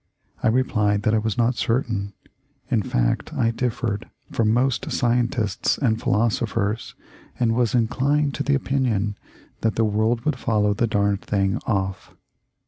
I replied that I was not certain, in fact I differed from most scien THE LIFE OF LINCOLN. T>OS tists and philosophers, and was inclined to the opinion that the world would follow the darned thing off!